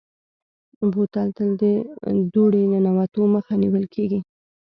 بوتل ته د دوړې ننوتو مخه نیول کېږي.